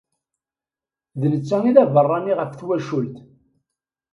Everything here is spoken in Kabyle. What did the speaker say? D netta i d abeṛṛani ɣef twacult.